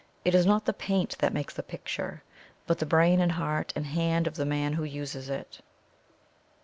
It is not the paint that make the picture, but the brain and heart and hand of the man who uses it.